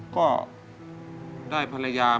ก็ได้พยายาม